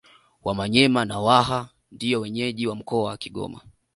Wamanyema na Waha ndio wenyeji wa mkoa wa Kigoma